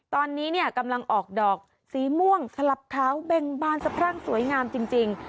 ตอนนี้เนี่ยกำลังออกดอกสีม่วงสลับขาวเบ่งบานสะพรั่งสวยงามจริง